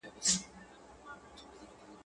هغوی دواړه په سلا کي سرګردان سول.